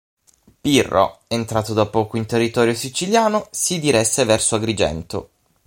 Pirro, entrato da poco in territorio siciliano, si diresse verso Agrigento.